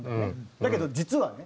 だけど実はね？